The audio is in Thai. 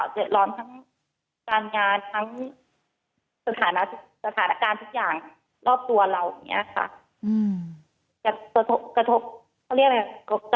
เดือดร้อนทั้งการงานทั้งสถานการณ์ทุกอย่างรอบตัวเราอย่างนี้ค่ะ